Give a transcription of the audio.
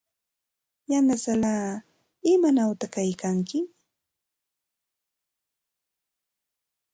Yanasallaa, ¿imanawta kaykanki?